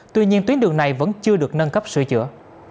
tuy nhiên tuyến đường này vẫn chưa được nâng cấp sửa chữa